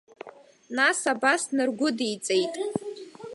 Нас, абас наргәыдиҵеит.